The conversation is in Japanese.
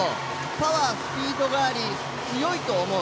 パワー、スピードがあり強いと思う。